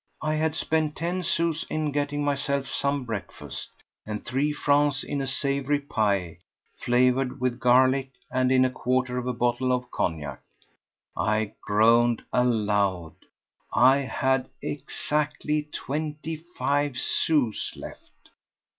I had spent ten sous in getting myself some breakfast, and three francs in a savoury pie flavoured with garlic and in a quarter of a bottle of cognac. I groaned aloud. I had exactly twenty five sous left.